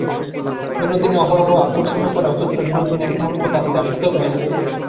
বিনোদিনী অহরহ আকর্ষণও করে, অথচ বিনোদিনী এক মুহূর্ত কাছে আসিতেও দেয় না।